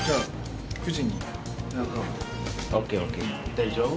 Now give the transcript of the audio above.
大丈夫？